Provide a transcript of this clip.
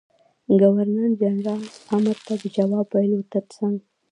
ګورنر جنرال امر ته د جواب ویلو تر څنګ.